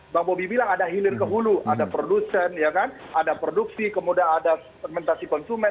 bang bobi bilang ada hilir ke hulu ada produsen ada produksi kemudian ada segmentasi konsumen